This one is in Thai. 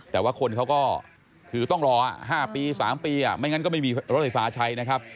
แต่ว่าคนเขาก็คือต้องรอ๕ปี๓ปีไม่งั้นก็ไม่มีรถไฟฟ้าใช้นะครับ